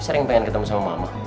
sering pengen ketemu sama mama